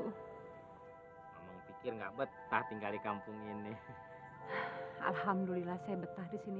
ngomong ngomong pikir nggak betah tinggal di kampung ini alhamdulillah saya betah disini